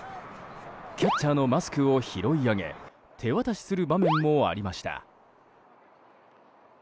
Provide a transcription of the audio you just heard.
キャッチャーのマスクを拾い上げ手渡しする場面もありました。